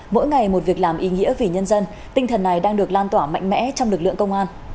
mỗi ngày một việc làm ý nghĩa vì nhân dân tinh thần này đang được lan tỏa mạnh mẽ trong lực lượng công an